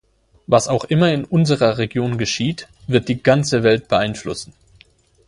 Was auch immer in unserer Region geschieht, wird die ganze Welt beeinflussen.